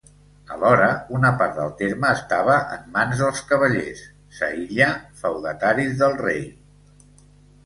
Alhora, una part del terme estava en mans dels cavallers Sa Illa, feudataris del rei.